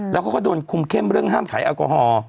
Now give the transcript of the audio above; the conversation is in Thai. แล้วเขาก็โดนคุมเข้มเรื่องห้ามขายแอลกอฮอล์